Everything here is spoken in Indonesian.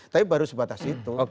tapi baru sebatas itu